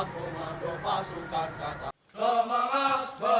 kami menerus generasi